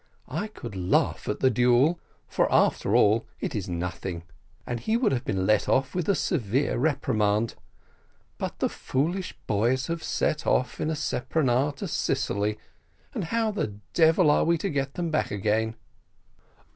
"I could laugh at the duel, for after all, it is nothing and he would have been let off with a severe reprimand; but the foolish boys have set off in a speronare to Sicily, and how the devil are we to get them back again?"